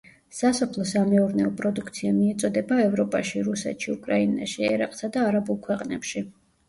სასოფლო-სამეურნეო პროდუქცია მიეწოდება ევროპაში, რუსეთში, უკრაინაში, ერაყსა და არაბულ ქვეყნებში.